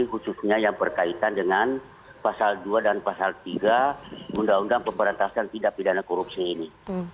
khususnya yang berkaitan dengan pasal dua dan pasal tiga undang undang pemberantasan tidak pidana korupsi ini